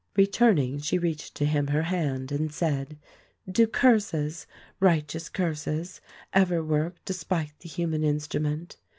Returning, she reached to him her hand and said : "Do curses, righteous curses, ever work despite the human in strument?